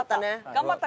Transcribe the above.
頑張った。